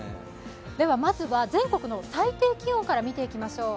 まずは全国の最低気温から見ていきましょう。